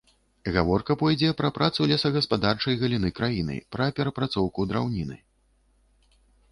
Гаворка пойдзе пра працу лесагаспадарчай галіны краіны, пра перапрацоўку драўніны.